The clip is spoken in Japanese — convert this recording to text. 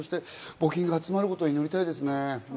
募金が集まることを祈りたいですね。